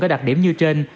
có đặc điểm như trên